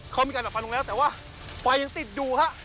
เขามีการดับฟันลงแล้วแต่ว่าไฟยังติดอยู่ฮะ